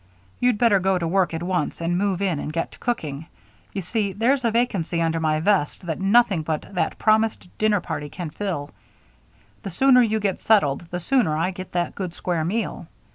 You'd better go to work at once and move in and get to cooking; you see, there's a vacancy under my vest that nothing but that promised dinner party can fill. The sooner you get settled, the sooner I get that good square meal.